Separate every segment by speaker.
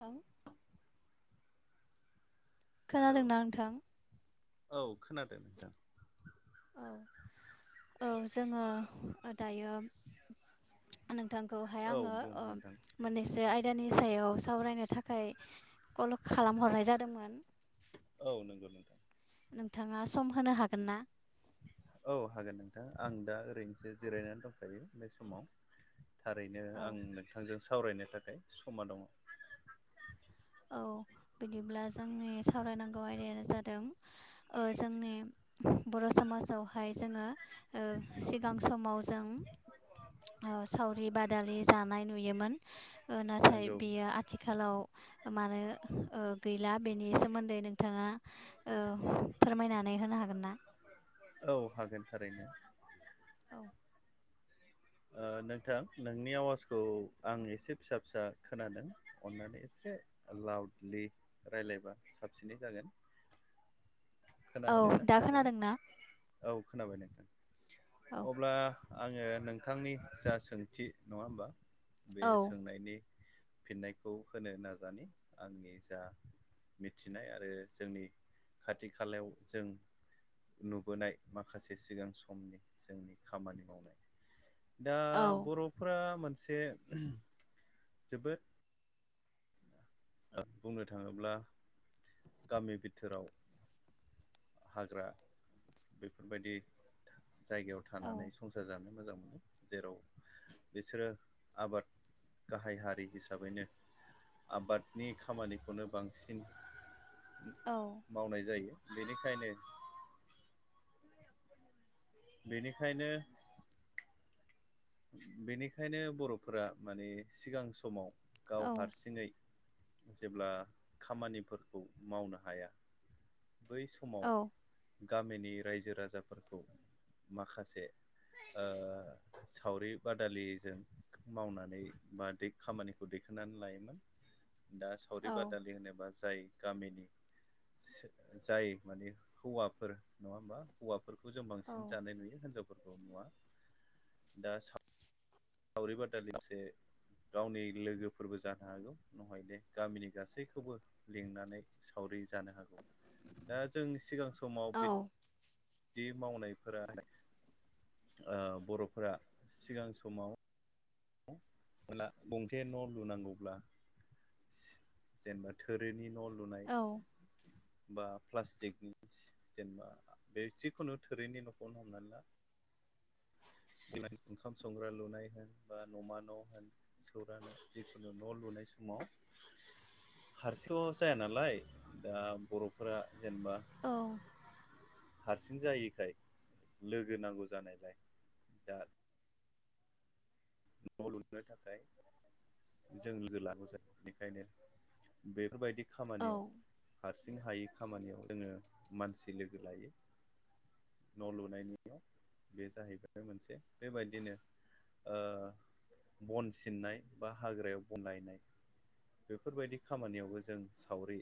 Speaker 1: औ
Speaker 2: हेलौ
Speaker 1: खोनादोंना नोंथां
Speaker 2: औ खोनादों नोंथां
Speaker 1: औ जोङो दायो नोंथांखौहाय
Speaker 2: औ
Speaker 1: आङो
Speaker 2: बुं नोंथां
Speaker 1: मोननैसो आयदानि सायाव सावरायनो थाखाय कल खालामहरनाय जादोंमोन
Speaker 2: औ नंगौ नोंथां
Speaker 1: नोंथाङा सम होनो हागोन ना
Speaker 2: औ हागोन नोंथां आं दा ओरैनोसो जिरायनानै दंखायो बे समाव थारैनो
Speaker 1: औ
Speaker 2: आं नोंथांजों सावरायनो थाखाय समा दङ
Speaker 1: औ बिदिब्ला जोंनि सावरायनांगौ आयदायानो जादों जोंनि बर' समाजावहाय जोङो सिगां समाव जों सावरि बादालि जानाय नुयोमोन नाथाय
Speaker 2: नंगौ
Speaker 1: बियो आथिखालाव मानो गैला बेनि सोमोन्दै नोंथाङा फोरमायनानै होनो हागोन ना
Speaker 2: औ हागोन थारैनो
Speaker 1: औ
Speaker 2: नोंथां नोंनि आवाजखौ आं एसे फिसा फिसा खोनादों अननानै एसे लाउडलि रायज्लायबा साबसिनै जागोन खोना
Speaker 1: औ
Speaker 2: हादोंना
Speaker 1: दा
Speaker 2: नोंथाङा
Speaker 1: खोनादोंना
Speaker 2: औ खोनाबाय नोंथां
Speaker 1: औ
Speaker 2: अब्ला आङो नों नोंथांनि जा सोंथि नंङा होमबा बे
Speaker 1: औ
Speaker 2: सोंनायनि फिननायखौ होनो नाजानि आंनि जा मिथिनाय आरो जोंनि खाथि खालायाव जों नुबोनाय माखासे सिगां समनि जोंनि खामानि मावनाय दा
Speaker 1: औ
Speaker 2: बर'फोरा मोनसे जोबोद बुंनो थाङोब्ला गामि बिथोराव हाग्रा बेफोरबायदि जायगायाव
Speaker 1: औ
Speaker 2: थानानै संसार जानो मोजां मोनो जेराव बिसोरो आबाद गाहाय हारि हिसाबैनो आबाद नि खामानिखौनो बांसिन
Speaker 1: औ
Speaker 2: मावनाय जायो बेनिखायनो बेनिखायनो बेनिखायनो बर'फोरा माने सिगां समाव गाव
Speaker 1: औ
Speaker 2: हारसिङै जेब्ला खामानिफोरखौ मावनो हाया बै समाव।
Speaker 1: औ
Speaker 2: गामिनि रायजो राजाफोरखौ माखासे ओ। सावरि बादालिजों। मावनानै बा दै खामानिखौ दैखांनानै लायोमोन। दा सावरि
Speaker 1: औ
Speaker 2: बादालि होनोबा जाय गामिनि सो जाय माने हौवाफोर नङा होम्बा। हौवाफोरखौ जों बांसिन
Speaker 1: औ
Speaker 2: जानाय नुयो हिनजावफोरखौ नुवा दा सा सावरि बादालि मासे गावनि लोगोफोरबो जानो हागौ नहाय दे गामिनि गासैखौबो लिंनानै सावरि जानो हागौ दा जों सिगां समाव
Speaker 1: औ
Speaker 2: बि दि मावनायफोरा आ बर'फोरा सिगां समाव बोला गंसे न' लुनांगौब्ला जेनेबा थोरिनि न' लुनाय बा प्लास्टिकनि जेनेबा बे जिखुनु थोरिनि न'खरनो हमनानै ला ओंखाम संग्रा लुनाय होनबा न'मा न' होन सौरानो जिखुनु न' लुनाय समाव हारसिंथ जाया नालाय दा बर'फोरा जेनेबा।
Speaker 1: औ
Speaker 2: हारसिं जायैखाय लोगो नांगौ जानायलाय दा न' लुनो थाखाय जों लोगो लाबो जायो बेखायनो बेफोरबायदि
Speaker 1: औ
Speaker 2: खामानियाव हा हारसिं हायै खामानियाव जोङो मानसि लोगो लायो। न' लुनायनियाव बे जाहैबाय मोनसे बेबायदिनो। ओ बन सिननाय बा हाग्रायाव बन लायनाय बेफोरबायदि खामानियावबो जों सावरि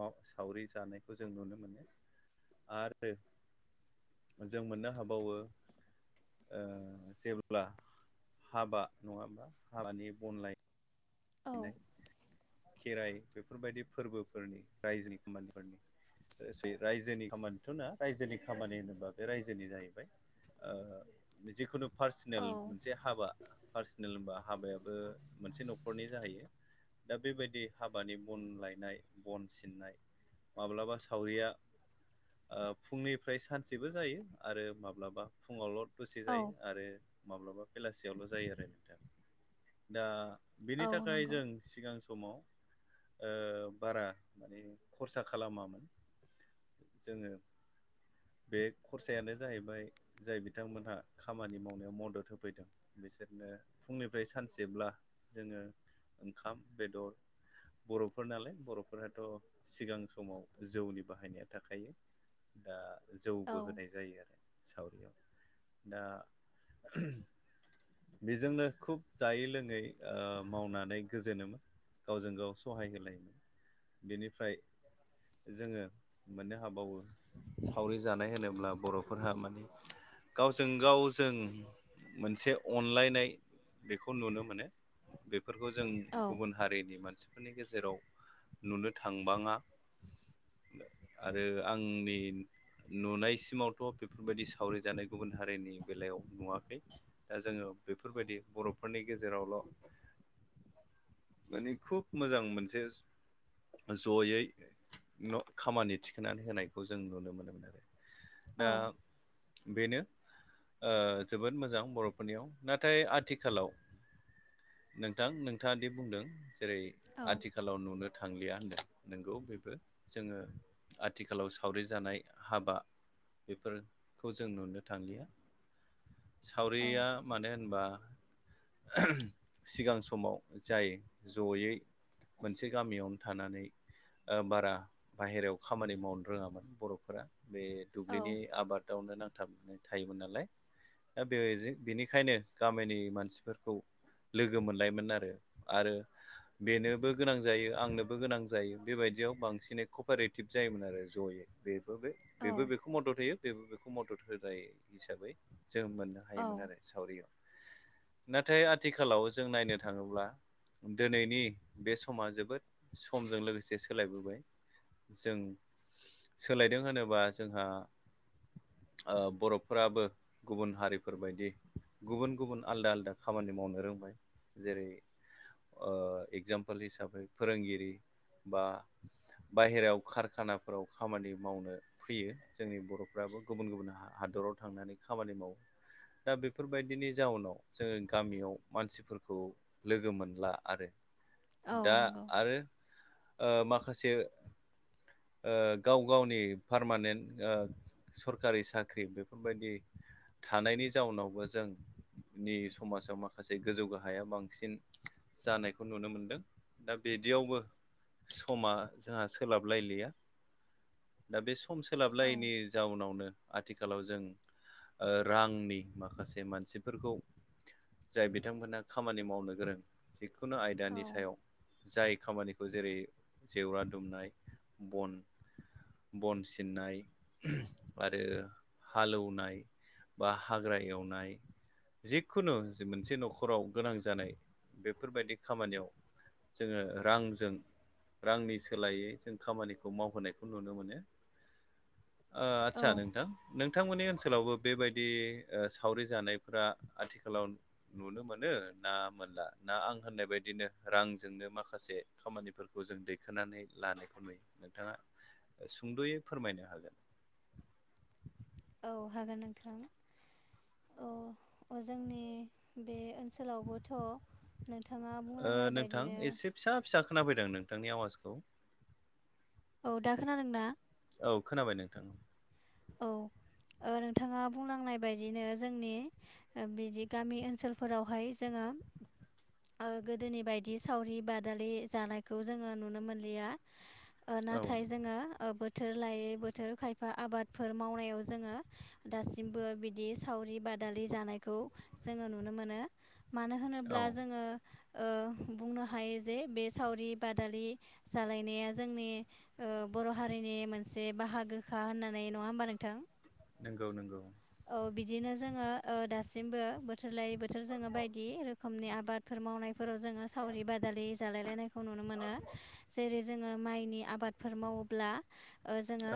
Speaker 2: बाव सावरि जानायखौ जों नुनो मोनो आरो जों मोननो हाबावो ओ जेब्ला हाबा नङा बा हाबानि बनलाय
Speaker 1: औ
Speaker 2: खेराइ बेफोरबायदि फोरबोफोरनि रायजोनि खामानिफोरनि लोगोसे रायजोनि खामानिथ'नङा रायजोनि खामानि होनोबा बे रायजोनि जाहैबाय। ओ जिखुनु
Speaker 1: औ
Speaker 2: पार्सनेल मोनसे हाबा पार्सनेल होनबा हाबायाबो मोनसे न'खरनि जाहैयो दा बेबायदि हाबानि बन लायनाय बन सिननाय माब्लाबा सावरिया ओ फुंनिफ्राय सानसेबो जायो आरो माब्लाबा फुङावलद दसे
Speaker 1: औ
Speaker 2: जायो आरो माब्लाबा बेलासियावल' जायो आरो नोंथां दा। बिनि
Speaker 1: औ
Speaker 2: थाखाय
Speaker 1: नंगौ
Speaker 2: जों सिगां समाव ओ बारा माने खरसा खालामामोन। जोङो बे खरसायानो जाहैबाय जाय बिथांमोनहा खामानि मावनायाव मदद होफैदों। बिसोरनो फुंनिफ्राय सानसेब्ला जोङो ओंखाम बेदर बर'फोर नालाय बर'फोराथ' सिगां समाव जौनि बाहायनाया थाखायो। दा
Speaker 1: औ
Speaker 2: जौबो होनाय जायो आरो सावरियाव दा जोङो बेजोंनो खुब जायै लोङै ओ मावनानै गोजोनोमोन गावजों गाव सहाय होलायोमोन ओ बेनिफ्राय जोङो मोननो हाबावो। सावरि जानाय होनोब्ला बर'फोरहा माने गावजों गावजों मोनसे अनलायनाय बेखौ नुनो मोनो। बेफोरखौ जों
Speaker 1: औ
Speaker 2: गुबुन हारिनि मानसिफोरनि गेजेराव नुनो थांबाङा आरो आंनि नुनायसिमावथ' बेफोरबायदि सावरि जानाय गुबुन हारिनि बेलायाव नुवाखै। दा जोङो बेफोरबायदि बर'फोरनि गेजेरावल' माने खुब मोजां मोनसे जयै न' खामानि थिखोनानै होनायखौ जों नुनो मोनोमोन आरो दा
Speaker 1: औ
Speaker 2: बेनो ओ जोबोद मोजां बर'फोरनियाव नाथाय आथिखालाव नोंथां नोंथाङा दि बुंदों जेरै
Speaker 1: औ
Speaker 2: आथिखालाव नुनो थांलिया होनदों नोंगौ बेबो जोङो आथिखालाव सावरि जानाय हाबा बेफोरखौ जों नुनो थांलिया सावरिया मानो होनबा सिगां समाव जायो जयै मोनसे गामियावनो थानानै ओ बारा बाहेरायाव खामानि मावनो रोङामोन बर'फोरा बे
Speaker 1: औ
Speaker 2: दुब्लिनि आबाद दावनो नांथाबना थायोमोन नालाय दा [unintelligible] बेनिखायनो गामिनि मानसिफोरखौ लोगो मोनलायमोन आरो-आरो बेनोबो गोनां जायो आंनोबो गोनां जायो बेबायदियाव बांसिनै कपारेटिभ जायोमोन आरो जयै बेबो बे बेबो बेखौ मदद होयो बेबो बेखौ मदद होनाय हिसाबै जों मोनो हायोमोन
Speaker 1: औ
Speaker 2: आरो सावरियाव नाथाय आथिखालाव जों नायनो थाङोब्ला दोनैनि बे समा जोबोद समजों लोगोसे सोलायबोबाय जों सोलायदों होनोबा जोंहा ओ बर'फोराबो गुबुन हारिफोरबायदि गुबुन-गुबुन आलदा-आलदा खामानि मावनो रों जेरै ओ एगजामपोल हिसाबै फोरोंगिरि बा बाहेरायाव कारखानाफोराव खामानि मावनो फैयो जोंनि बर'फ्राबो गुबुन-गुबुन हादराव थांनानै खामानि मावो दा बेफोरबायदिनि जाउनाव जोङो गामियाव मानसिफोरखौ लोगो मोनला आरो
Speaker 1: औ
Speaker 2: दा
Speaker 1: नंगौ
Speaker 2: आरो ओ माखासे ओ गाव गावनि पारमानेन्ट ओ सरखारि साख्रि बेफोरबायदि थानायनि जाउनावबो जोंनि समाजाव माखा खासे गोजौ गाहाया बांसिन जानायखौ नुनो मोनदों दा बिदियावबो समा जोंहा सोलाबलायलिया दा बे सम
Speaker 1: औ
Speaker 2: सोलाबलायैनि जाउनावनो आथिखालाव जों ओ रांनि माखासे मानसिफोरखौ जाय बिथांमोनहा खामानि मावनो गोरों जिखुनु आयदानि
Speaker 1: औ
Speaker 2: सायाव जाय खामानिखौ जेरै जेवरा दुमनाय बन बन सिननाय आरो हालेवनाय बा हाग्रा एवनाय जिखुनु जे मोनसे न'खराव गोनां जानाय बेफोरबायदि खामानियाव जोङो रांजों रांनि सोलायै जों खामानिखौ मावहोनायखौ नुनो मोनो
Speaker 1: [inaudible]
Speaker 2: ओ
Speaker 1: औ
Speaker 2: आदसा नोंथां नों नोथां मोननि ओनसोलावबो बेबायदि ओ सावरि जानायफोरा आथिखालाव नुनो मोनो ना मोनला ना आं होननाय बायदिनो रांजोंनो माखासे खामानिफोरखौ जों दैखोनानै लानायखौ नुयो नोंथाङा सुंद'यै फोरमायनो हागोन
Speaker 1: औ हागोन नोंथां औ अ जोंनि बे ओनसोलावबोथ' नोंथाङा
Speaker 2: ओ
Speaker 1: बुंलांनाय
Speaker 2: नोंथां
Speaker 1: बायदिनो
Speaker 2: एसे फिसा फिसा खोनाफैदों नोंथांनि आवाजखौ।
Speaker 1: औ दा खोनादोंना?
Speaker 2: औ खोनाबाय नोंथां
Speaker 1: औ ओ नोंथाङा बुंलांनाय बायदिनो जोंनि ओ बिदि गामि ओनसोलफोरावहाय जोङो ओ गोदोनि बायदि सावरि बादालि जानायखौ जोङो नुनो मोनलिया ओ
Speaker 2: औ
Speaker 1: नाथाय जोङो ओ बोथोर लायै बोथोर खायफा आबादफोर मावनायाव जोङो दासिमबो बिदि सावरि बादालि जानायखौ जोङो नुनो मोनो मानो हो
Speaker 2: औ
Speaker 1: होनोब्ला जोङो ओ बुंनो हायोजे बे सावरि बादालि जालायनाया जोंनि ओ बर' हारिनि मोनसे बाहागोखा होननानै नङा होमबा नोंथां।
Speaker 2: नंगौ नंगौ।
Speaker 1: औ बिदिनो जोङो ओ दासिमबो बोथोर लायै बोथोर जोङो बायदि रोखोमनि आबाद फोर मावनायफोराव जोङो सावरि बादालि जालायलायनायखौ नुनो मोनो जेरै जोङो माइनि आबादफोर मावोब्ला ओ जोङो
Speaker 2: औ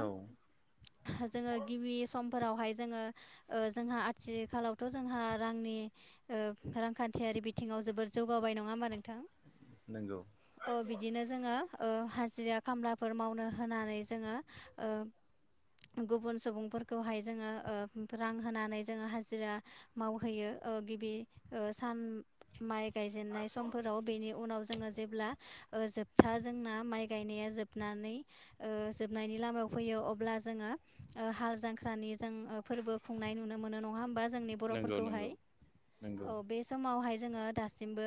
Speaker 1: जोङो गिबि समफोरावहाय जोङो ओ जोंहा आथिखालावथ' जोंहा रांनि ओ रांखान्थियारि बिथिङाव जोबोर जौगाबाय नङा होमबा नोंथां?
Speaker 2: नंगौ।
Speaker 1: अ बिदिनो जोङो ओ हाजिरा खामलाफोर मावनो होनानै जोङो ओ गुबुन सुबुंफोरखौहाय जोङो ओ रां होनानै जोङो हाजिरा मावहैयो ओ गिबि सान माइ गायजेनाय समफोराव बेनि उनाव जोङो जेब्ला ओ जोबथा जोंना माइ गायनाया जोबनानै ओ जोबनायनि लामायाव फैयो अब्ला जोङो ओ हाल जांख्रानि जों फोरबो खुंनाय नुनो मोनो नङा होमबा जोंनि
Speaker 2: नंगौ नंगौ
Speaker 1: बर'फोरखौहाय
Speaker 2: नंगौ
Speaker 1: औ। बे समावहाय जोङो दासिमबो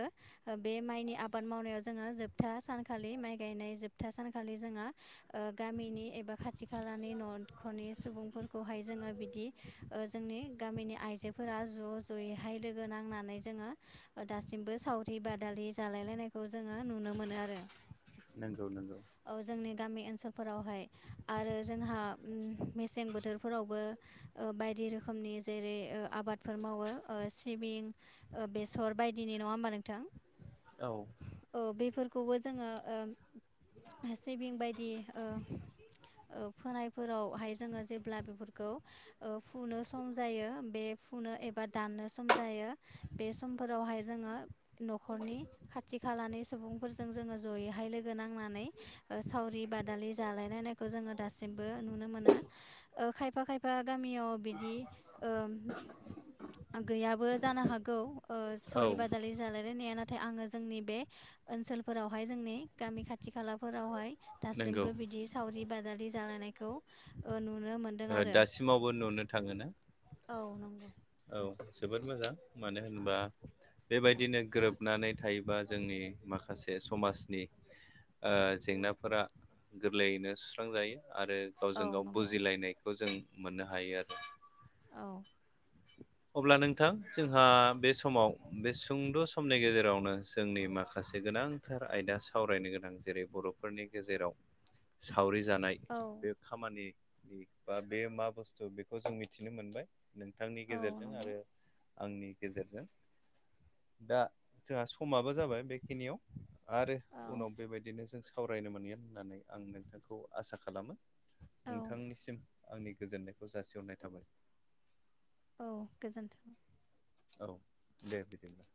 Speaker 1: ओ बे माइनि आबाद मावनायाव जोङो जोबथा सानखालि माइ गायनाय जोबथा सानखालि जोङो ओ गामिनि एबा खाथि खालानि न'खरनि सुबुंफोरखौहाय जोङो बिदि ओ जोंनि गामिनि आइजोफोरा ज' ज' यैहाय लोगो नांनानै जोङो दासिमबो सावरि बादालि जालायलायनायखौ जोङो नुनो मोनो आरो।
Speaker 2: नंगौ नंगौ।
Speaker 1: औ जोंनि गामि ओनसोलफोरावहाय आरो जोंहा उम मेसें बोथोरफोरावबो ओ बाय दि रोखोमनि जेरै ओ आबादफोर मावो ओ सिबिं बेसर बायदिनि नङा होमबा नोंथां?
Speaker 2: औ
Speaker 1: औ बेफोरखौबो जोङो ओ सिबिं बायदि ओ ओ फोनायफोरावहाय जोङो जेब्ला बेफोरखौ ओ फुनो सम जायो बे फुनो एबा दाननो सम जायो बे समफोरावहाय जोङो न'खरनि खाथि खालानि सुबुं फोरजों जोङो ज'यैहाय लोगो नांनानै ओ सावरि बादालि जालायलायनायखौ जोङो दासिमबो नुनो मोनो। ओ खायफा खायफा गामियाव बिदि ओ गैयाबो जानो हागौ ओ सावरि‌
Speaker 2: औ
Speaker 1: बादालि जालायलायनाया ना थाय आङो जोंनि बे ओनसोलफोरावहाय जोंनि गामि खाथि खालाफोरावहाय
Speaker 2: नंगौ
Speaker 1: दासिमबो बिदि सावरि बादालि जालायनायखौ ओ नुनो मोनो
Speaker 2: दासिमावबो नुनो थाङो ना?
Speaker 1: औ नंगौ
Speaker 2: औ जोबोद मोजां मानो होनबा बेबायदिनो गोरोबनानै थायोबा जोंनि माखासे समाजनि जेंनाफोरा गोरलैयैनो सुस्रांजायो आरो
Speaker 1: औ
Speaker 2: गावजों गाव
Speaker 1: नंगौ
Speaker 2: बुजिलायनायखौ जों मोननो हायो आरो।
Speaker 1: औ
Speaker 2: अब्ला नोंथां जोंहा बे समाव बे सुंद' समनि गेजेरावनो जोंनि माखासे गोनां गोसार आयदा सावरायनो गोनां जेरै बर'फोरनि गेजेराव सावरि जानाय
Speaker 1: औ
Speaker 2: बे खामानिनि बा बे मा बुस्थु बेखौ जों मिथिनो मोनबाय नोंथांनि
Speaker 1: औ
Speaker 2: गेजेरजों।
Speaker 1: नंगौ
Speaker 2: आरो आंनि गेजेरजों दा जोंहा समाबो जाबाय बेखिनियाव आरो
Speaker 1: औ
Speaker 2: उनाव बेबायदिनो जों सावरायनो मोनगोन होननानै आं नोंथांखौ आसा खालामो।
Speaker 1: औ
Speaker 2: नोंथांनिसिम आंनि गोजोननायखौ जासिहरनाय थाबाय।
Speaker 1: औ गोजोन्थों।
Speaker 2: औ दे बिदि बिदिब्ला